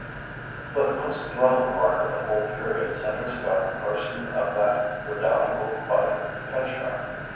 But the most thrilling part of the whole period centers about the person of that redoubtable fighter, Pinchback.